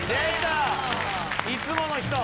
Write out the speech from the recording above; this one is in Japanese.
いつもの人。